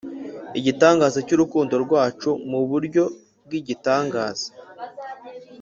igitangaza cy'urukundo rwacu mu buryo bw'igitangaza: